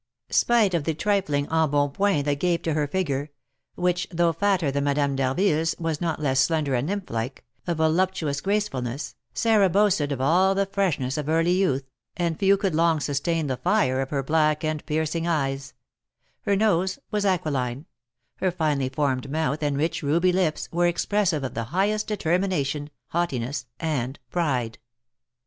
Spite of the trifling embonpoint that gave to her figure (which, though fatter than Madame d'Harville's, was not less slender and nymph like) a voluptuous gracefulness, Sarah boasted of all the freshness of early youth, and few could long sustain the fire of her black and piercing eyes; her nose was aquiline; her finely formed mouth and rich ruby lips were expressive of the highest determination, haughtiness, and pride.